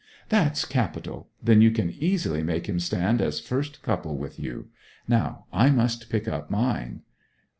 'That's capital then you can easily make him stand as first couple with you. Now I must pick up mine.'